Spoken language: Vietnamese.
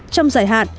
trong dài hạn